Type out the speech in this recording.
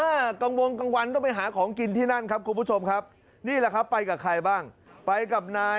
อ่าตรงวงกลางวันต้องไปหาของกินที่นั่นครับคุณผู้ชมครับ